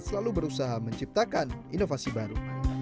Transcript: selalu berusaha menciptakan inovasi baru